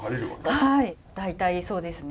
はい大体そうですね